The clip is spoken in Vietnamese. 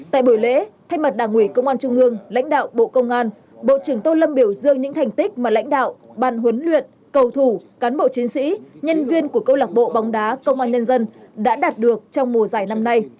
tại buổi lễ thay mặt đảng ủy công an trung ương lãnh đạo bộ công an bộ trưởng tô lâm biểu dương những thành tích mà lãnh đạo ban huấn luyện cầu thủ cán bộ chiến sĩ nhân viên của câu lạc bộ bóng đá công an nhân dân đã đạt được trong mùa giải năm nay